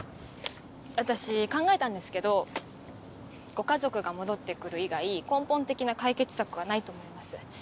私考えたんですけどご家族が戻って来る以外根本的な解決策はないと思います。